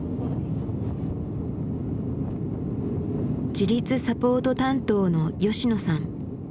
自立サポート担当の吉野さん。